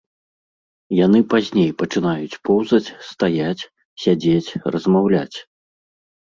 Яны пазней пачынаюць поўзаць, стаяць, сядзець, размаўляць.